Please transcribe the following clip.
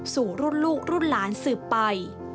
สู่รุ่นลูกรุ่นหลานสืบไป